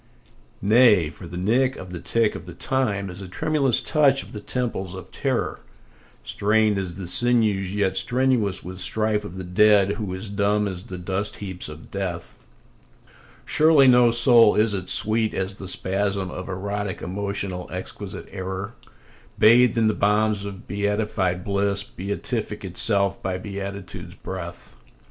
Nay, for the nick of the tick of the time is a tremulous touch on the temples of terror, Strained as the sinews yet strenuous with strife of the dead who is dumb as the dust heaps of death; Surely no soul is it, sweet as the spasm of erotic emotional exquisite error, Bathed in the balms of beatified bliss, beatific itself by beatitude's breath.